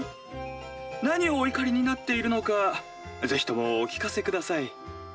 何をお怒りになっているのかぜひともお聞かせください。